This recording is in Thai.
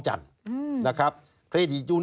ชีวิตกระมวลวิสิทธิ์สุภาณฑ์